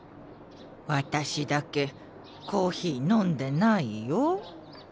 私だけコーヒー飲んでないよ。